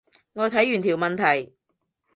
我睇完條問題